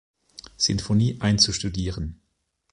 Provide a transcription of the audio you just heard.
Sinfonie einzustudieren.